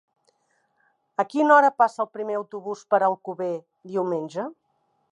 A quina hora passa el primer autobús per Alcover diumenge?